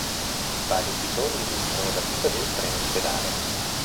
Vari episodi illustrano la vita del treno ospedale.